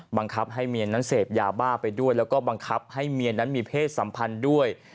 บังคับให้เมียนั้นเสพยาบ้าไปด้วยแล้วก็บังคับให้เมียนั้นมีเพศสัมพันธ์ด้วย